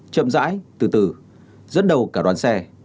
chậm rãi từ từ rớt đầu cả đoàn xe